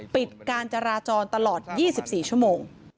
ปิดการจราจรตลอด๒๔ชั่วโมง